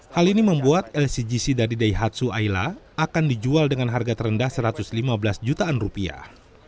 hal ini membuat lcgc dari daihatsu aila akan dijual dengan harga terendah satu ratus lima belas jutaan rupiah